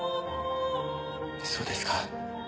そうですか。